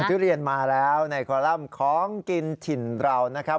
ทุเรียนมาแล้วในคอลัมป์ของกินถิ่นเรานะครับ